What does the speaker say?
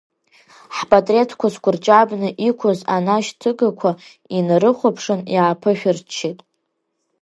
Ҳпатреҭқәа зқәырҷабны иқәыз анашьҭыгақәа инарыхәаԥшын иааԥышәырччеит.